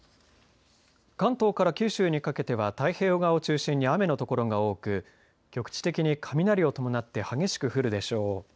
関東から九州にかけては太平洋側を中心に雨のところが多く局地的に雷を伴って激しく降るでしょう。